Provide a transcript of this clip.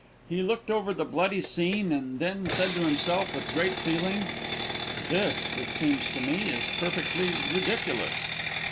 He looked over the bloody scene and then said to himself with great feeling; "This, it seems to me, is perfectly ridiculous."